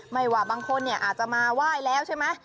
ไม่ว่าบางคนอาจจะมาไหว้แล้วใช่ไหม